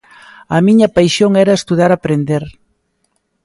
A miña paixón era estudar, aprender.